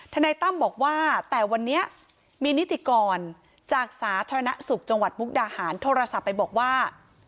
นายตั้มบอกว่าแต่วันนี้มีนิติกรจากสาธารณสุขจังหวัดมุกดาหารโทรศัพท์ไปบอกว่า